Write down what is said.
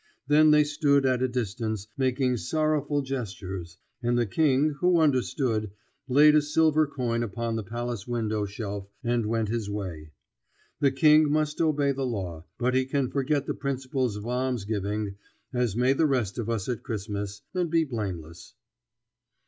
Then they stood at a distance making sorrowful gestures; and the King, who understood, laid a silver coin upon the palace window shelf and went his way. The King must obey the law, but he can forget the principles of alms giving, as may the rest of us at Christmas, and be blameless.